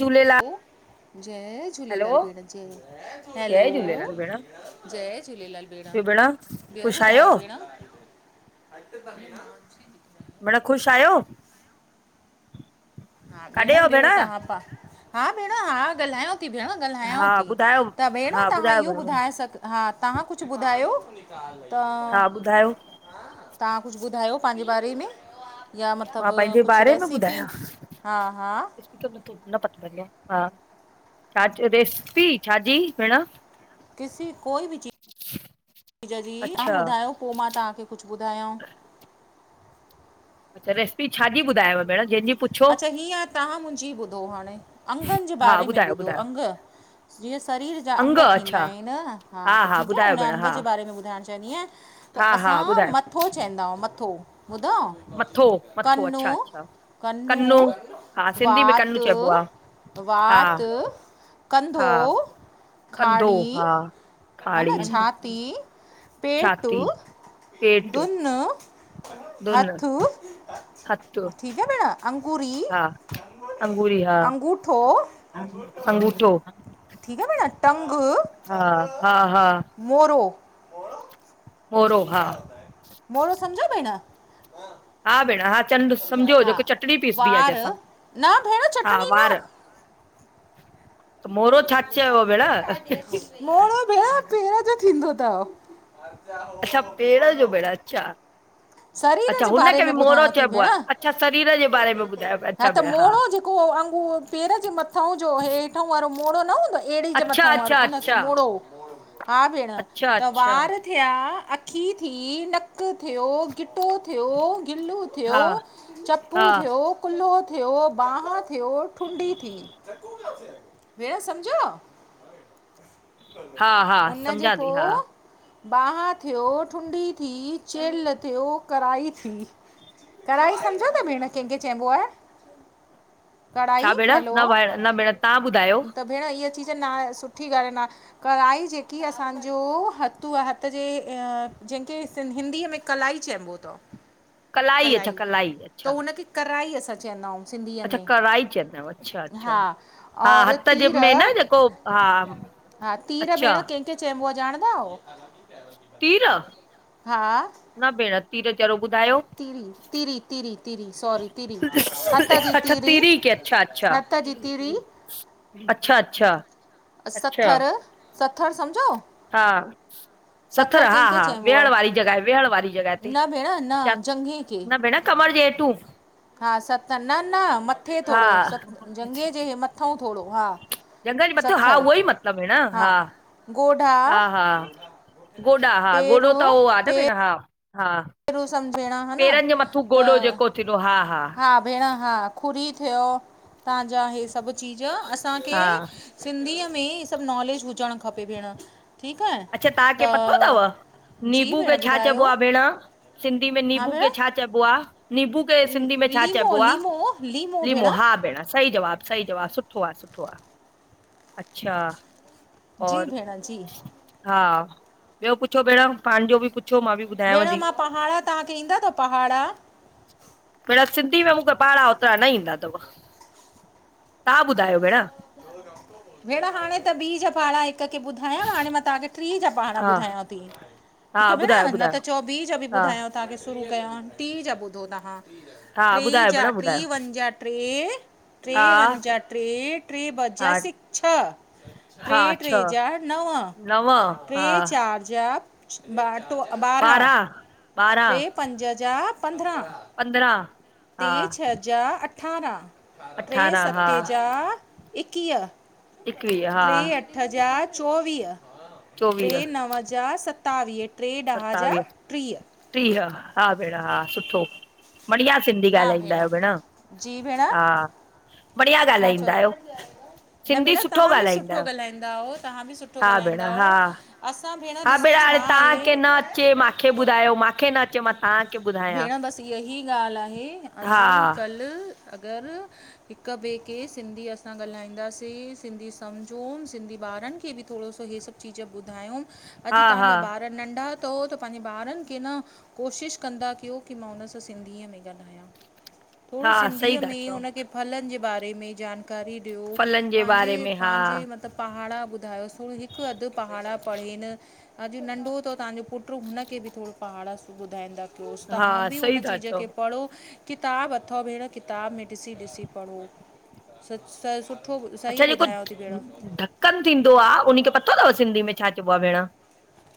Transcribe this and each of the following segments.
Jhulelal hello जय hello Jhulelal भेण जय झूलेलाल हैलो जय झूलेलाल भेण जय झूलेलाल भेण ॿियो ख़ुशि आहियो ॿुधायो भेण। [unintelligible] भेंण ख़ुश आहियो? हा काॾे भेण आहियो ॿियो तव्हां पा हा भेण हा ॻाल्हायो थी भेण हा ॻाल्हायां थी ॿुधायो त भेण हा तव्हां ॿुधायो इहो भेण ॿुधाए सघो हा, तव्हां कुछ ॿुधायो। त हा ॿुधायो तव्हां कुछ ॿुधायो पंहिंजे बारे में या मतलब मां पंहिंजे कुछ बारे में रेसिपी ॿुधायां हा हा स्पीकर मुखें न पतो पईंदो आ हा, छा चयो रेसिपी छाजी भेण? किसी कोई बि चीज़ [unintelligible] जी तव्हां अच्छा ॿुधायो पो मां तव्हांखे कुछ ॿुधायां। अच्छा रेसिपी छाजी ॿुधायव भेण जंहिंजी पुछो अच्छा हीअं तव्हां मुंहिंजी ॿुधो हाणे, अगनि जे हा बारे में ॿुधायो ॿुधो ॿुधायो अंग। जीअं शरीर जा अंग थींदा आहिनि हा त ठीक आ ॿुधायो हुनन भेण अंग हा जे बारे में ॿुधाइण चाहींदी आहियां। त हा हा असां ॿुधायो मथो चईंदा आहियूं मथो। ॿधव मथो मथो कन्नु। अच्छा अच्छा कन्नु, कन्नो हा सिंधी में वात कन्नु चइबो आहे हा वात कंधो, हा कंधो खाड़ी हा हा खाड़ी न कंधो, छाती पेटु, छाती पेट दुन। दुन हथू हथ ठीक आ भेण। अंगूरी हा आंगूरी हा अंगूठो अंगूठो। ठीकु आ भेण टंग, हा हा हा मोरो। मोरो हा मोरो समझव भेंण? हा भेण हा झंड्र सम्झो जेको चटणी पीस बि आहे वार जेंहिसां न भेण हा चटणी न वार त मोरो छा चयो भेण अच्छा मोरो भेण पेर जो थींदो तव। अच्छा पेड़ जो भेण अच्छा! शरीर अच्छा जे बारे हुनखे में बि मुहिरो ॿुधायांव थी चइबो आहे भेण अच्छा शरीर जे बारे में ॿुधायो पया अच्छा भेण हा वांगुर पेर जे मथोउं जो हेठां वारो मोड़ो न हूंदो आहे एड़ी जे अच्छा मथांं वारो अच्छा उनखे अच्छा मोड़ो। हा भेण अच्छा त अच्छा वारु थिया, अखी थी, नक थियो गिटो थियो, गिलूं थियो, हा चपू हा थियो, कुल्हो थियो, बांह थियो ठुडी थी। भेण समुझयाओ? हा हा उन जे सम्झां पो थी हा बांह थियो, ठुडी थी, चेलि थियो करढ़ाई थी। कढाई सम्झो था भेण कंहिंखे चइबो आहे? कढ़ाई छा भेण हेलो न भेण न भेण तव्हां ॿुधायो त भेण इअ चीज न आए सुठी ॻाल्हि न कढ़ाई जेकी असांजो हथु आ हथ जे अ जंहिंखे हिंदीअ में कलाई चइबो थव कलाई त हुनखे कराई असां चेंदा आऊ। अच्छा कराई चेंदव अच्छा अच्छा हा हा और हथ जे तीर में न जेको हा हा तीर अच्छा भेण कंहिंखे चइबो आहे ॼाणंदा आओ तीरु हा न भेण तीरु चलो ॿुधायो तीरी तीरी तीरी तीरी सॉरी तीरी हथ जी अच्छा तीरी तिरी खे अच्छा अच्छा हथ जी तीरी अच्छा अच्छा अच्छा सथरि सथरि समुझो हा सथर हा कंहिंखे हा चइबो वियण आहे वारी जॻहि वेहण वारी जॻहि तेे न भेण न जंघे खे न भेण कमर जे हेठू हा सत न न मथे हा थोड़ो सत जंघीअ जे मथो थोड़ो जंघ जे मथोउ हा उहो ई मतिलबु भेण हा ॻोढा हा हा गोॾा हा पेर गोॾो त हू आ न पेर भेण हा हा पेर सम्झ भेण हा न पेरनि जे मथां गोॾो त जेको थींदो हा हा भेण हा खुरी थियो तांंजा इहे सभु चीज़ असांखे हा सिंधीअ में सभु नॉलेज हुजणु खपे भेण। ठीकु आहे अच्छा तांखे त पतो थव जी नीबू भेण खे छा चइबो ॿुधायो आ भेण सिंधी में हा नीबू भेण खेे छा चइबो आ, नीबू खे सिंधी में छा लीमो चइबो आ लीमो लीमो भेण लिमो हा भेण सही जवाब सही सुठो आ सुठो आ अच्छा जी और भेण जी हा ॿियो पुछो भेण पांजो बि कु भेण मां पहाड़ा तांखे ईंदा थव पहाड़ा भेण सिंधी में मुखे पहाड़ा ओतिरा न ईंदा थव तां ॿुधायो भेण भेण हाणे त ॿी जख पहाड़ा हिकु कर के ॿुधायां हाणे मां तांखे थ्री जा पहाड़ा हा ॿुधायां ती। हा ठीकु आ भेण ॿुधायो न ॿुधायो त चओ ॿी जा बि हा ॿुधायांव तांखे शुरू कयां टीं जा ॿुधो तहां हा ट्री ॿुधायो जा भेण ट्री ॿुधायो वन जा ट्रे ट्रे हा वन जा ट्रे ट्रे ॿ जा हा छ ट्रे हा ट्रे छह जा नव नव ट्रे हा चारि जा ॿार ॿारहं ॿारहां ट्रे ॿारहां पंज पंद्राह पंद्रहां हा ट्रे छ जा अठारह अठारहं ट्रे अठारहां हा सते जा एकीय एकवीह हा ट्रे अठ जा चोवीह, ट्रे चोवीह नव जा सतावीह टे ॾह जा सतावीह, टीह टीह, हा भेण हा सुठो। बढ़िया सिंधी ॻाल्हाईंदा आहियो भेण, जी भेण हा। बढ़िया छा चओ ॻाल्हाईंदा आहियो। न सिंधी भेण, सुठो तहां बि ॻाल्हाईंदा सुठो आहियो ॻाल्हाईंदा औ तहां बि सुठो हा भेण ॻाल्हाईंदा हा औ। असां हा भेण ॾिसो हाणे छा तांह खे आहे न अचे मांखे ॿुधायो मांखे न अचे मां तांह खे ॿुधायां हे हा अॼु कलु अगरि हिक ॿिए खे सिंधी असां ॻाल्हाईंदासीं सिंधी सम्झूं सिंधी ॿारनि खे बि थोड़ो सो हे सभु चीज ॿुधायुं अॼु हा तांह हा जा ॿार नंढा तो त पंहिंजे ॿारनि खे न कोशिश कंदा कयो की मां हुन सां सिंधीअ में ॻाला थोड़ो हा सही सिंधीअ था में चओ हुनखे फलनि जे बारे में जान करे ॾियो फलनि जे पांजे बारे में हा पांजे मतब पहाड़ा ॿुधायोस थोड़ो हिक अधि पहाड़ा पढ़ेन अॼु नंढो थव तांजो पुट्र हुनखे बि थोड़ा पहाड़ा ॿुधाईंदा रोज हा तहां बि सही हुन था जी चओ जॻह किताब अथव भेण किताब में ॾिसी ॾिसी पढ़ो स स सुठ अच्छा जेको ढक्कन थींदो आ उन खे पतो थव सिंधी में छा चइबो आ भेण?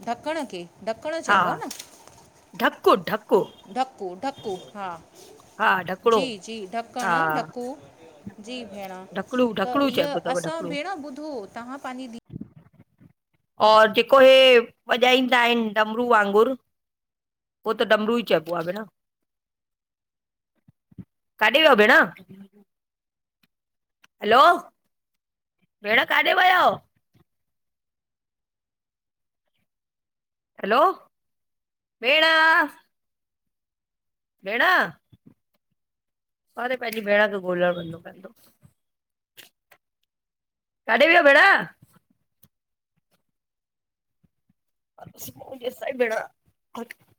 ढकण खे ढकण हा चइबो आ न। ढकु ढकु ढकु, ढकु हा। हा ढकिणो जी जी। ढकण हा ढकु। जी भेण ढकड़ू त ढकड़ू इअ चइबो अथव असां ढकड़ू भेण ॿुधो तहां पंहिंजी धी और जेको हे वॼाईंदा आहिन डमरू वांगुर? उह त डमरू ई चइबो आहेे भेण। काॾे विया भेण? हेलो! भेण काॾे वयाओ? हेलो! भेण। भेण, अरे पंहिंजी भेण खे ॻोलण वेंदो पेंदो। काॾे विया भेण? [unintelligible] भेण